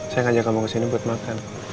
saya ngajak kamu kesini buat makan